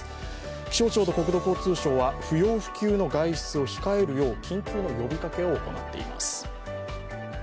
気象庁と国土交通省は不要不急の外出を控えるよう緊急の呼びかけを行っています。